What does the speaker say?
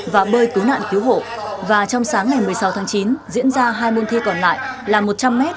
và bơi cứu nạn cứu hộ và trong sáng ngày một mươi sáu tháng chín diễn ra hai môn thi còn lại là một trăm linh m